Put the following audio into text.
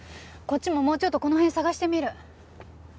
こっちももうちょっとこの辺捜してみる。